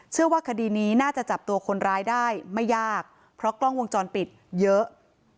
เชื่อว่าคดีนี้น่าจะจับตัวคนร้ายได้ไม่ยากเพราะกล้องวงจรปิดเยอะ